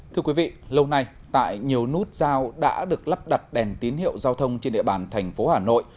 thưa quý vị lâu nay tại nhiều nút giao đã được lắp đặt đèn tín hiệu giao thông trên địa bàn thành phố hà nội